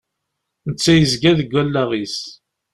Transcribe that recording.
Netta yezga deg wallaɣ-is.